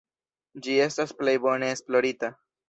Ĝi estas plej bone esplorita.